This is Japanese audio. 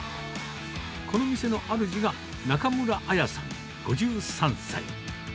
この店のあるじが、中村あやさん５３歳。